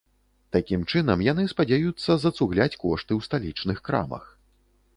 Такім чынам яны спадзяюцца зацугляць кошты ў сталічных крамах.